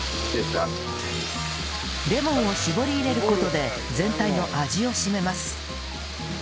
レモンを搾り入れる事で全体の味をしめます